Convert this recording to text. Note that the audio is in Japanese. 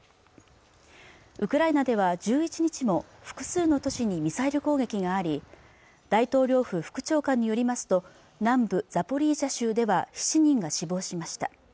ウクライナでは１１日も複数の都市にミサイル攻撃があり大統領府副長官によりますと南部ザポリージャ州では７人が死亡しました